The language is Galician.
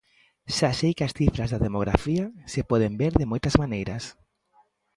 Xa sei que as cifras da demografía se poden ver de moitas maneiras.